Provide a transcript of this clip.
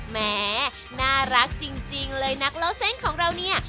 แหมน่ารักจริงเลยนักเล่าเส้นของเราเนี่ย